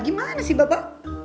gimana sih bapak